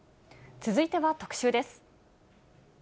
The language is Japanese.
続いては特集です。